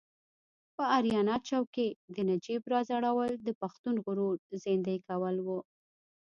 په اریانا چوک کې د نجیب راځړول د پښتون غرور زیندۍ کول و.